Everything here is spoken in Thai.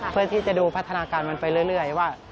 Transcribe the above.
เพื่อที่จะดูพัฒนาการมันไปเรื่อยว่า